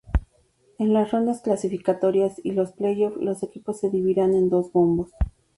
En las rondas clasificatorias y los play-off, los equipos se dividirán en dos bombos.